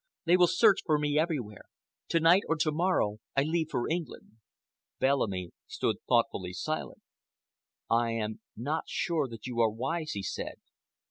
They will search for me everywhere. To night or to morrow I leave for England." Bellamy stood thoughtfully silent. "I am not sure that you are wise," he said.